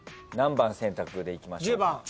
何番選択でいきましょうか？